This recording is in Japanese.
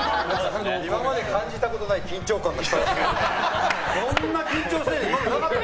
今まで感じたことない緊張感が伝わってくる。